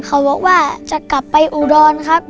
เขาบอกว่าจะกลับไปอุดรครับ